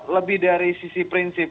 lebih dari sisi prinsip